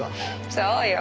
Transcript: そうよ。